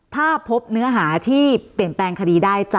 ถ้าพบเนื้อหาที่เปลี่ยนแปลงคดีได้